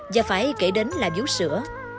và phải kể đến là bíu sữa